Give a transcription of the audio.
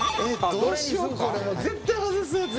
絶対外すやつや。